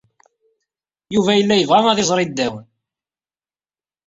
Yuba yella yebɣa ad iẓer iddawen.